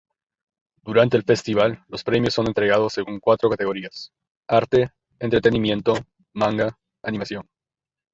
Durante el festival, los premios son entregados según cuatro categorías: Arte, entretenimiento, manga, animación.